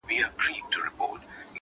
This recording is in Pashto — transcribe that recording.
باران دي وي سیلۍ دي نه وي!